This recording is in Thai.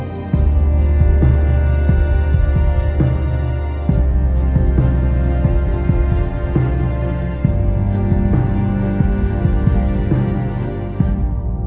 ขอบคุณคุณต่ำและแรงคำของคุณคุณสำหรับพวกคุณ